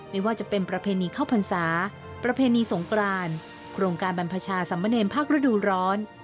ไม่ว่าจะเป็นประเพณีเข้าพรรษาประเพณีสงกรานโครงการบรรพชาสัมมะเนรภาคฤดูร้อน